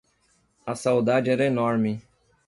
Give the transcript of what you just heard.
A saudade era enorme